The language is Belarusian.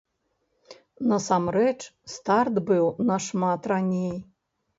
Насамрэч, старт быў нашмат раней!